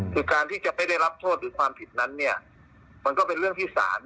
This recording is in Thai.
คือการที่จะไม่ได้รับโทษหรือความผิดนั้นเนี่ยมันก็เป็นเรื่องที่ศาล